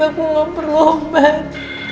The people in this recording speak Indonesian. aku gak perlu obat